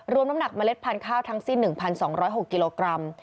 น้ำหนักเล็ดพันธุ์ข้าวทั้งสิ้น๑๒๐๖กิโลกรัม